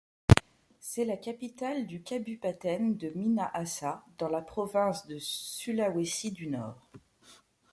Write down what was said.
C'est la capitale du kabupaten de Minahasa, dans la province de Sulawesi du Nord.